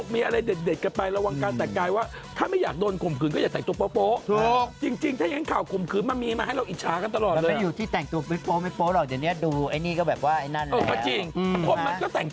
มันไม่อยู่ที่แต่งตัวโปรดไม่โปรดหรอกเดี๋ยวนี้ดูไอ้นี่ก็แบบว่าไอ้นั่นแหละ